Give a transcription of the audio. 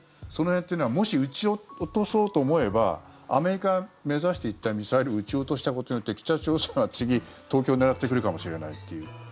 その辺というのはもし、撃ち落とそうと思えばアメリカを目指していったミサイルを撃ち落としたことによって北朝鮮は次、東京を狙ってくるかもしれないという。